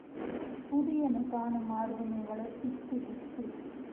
புதியன காணும் ஆர்வமே வளர்ச்சிக்கு வித்து.